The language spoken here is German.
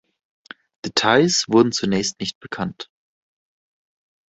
Details wurden zunächst nicht bekannt.